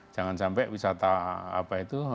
jangan sampai wisata apa itu